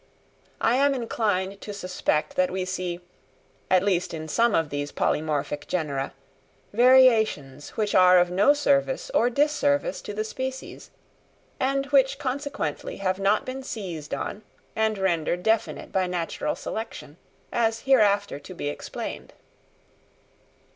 I am inclined to suspect that we see, at least in some of these polymorphic genera, variations which are of no service or disservice to the species, and which consequently have not been seized on and rendered definite by natural selection, as hereafter to be explained.